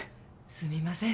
すみません